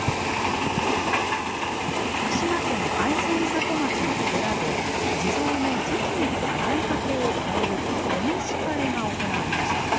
福島県会津美里町の寺で、地蔵の頭巾と前掛けを替えるお召し替えが行われました。